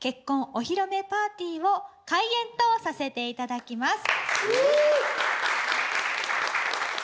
お披露目パーティーを開宴とさせていただきます。